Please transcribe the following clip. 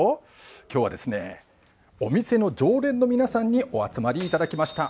今日は、お店の常連の皆さんにお集まりいただきました。